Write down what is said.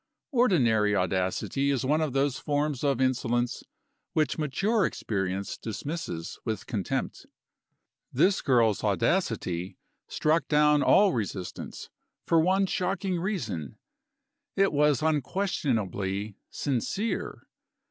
Ordinary audacity is one of those forms of insolence which mature experience dismisses with contempt. This girl's audacity struck down all resistance, for one shocking reason: it was unquestionably sincere.